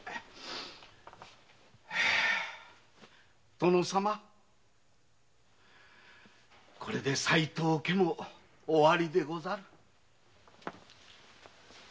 殿様これで齋藤家も終わりでござる。